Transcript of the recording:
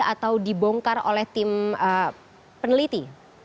atau dibongkar oleh tim peneliti